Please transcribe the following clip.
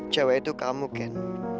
cewek itu kamu ken